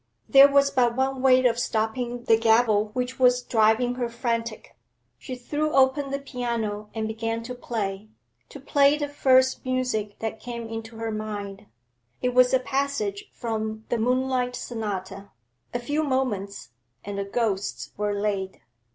There was but one way of stopping the gabble which was driving her frantic; she threw open the piano and began to play, to play the first music that came into her mind. It was a passage from the Moonlight Sonata. A few moments, and the ghosts were laid.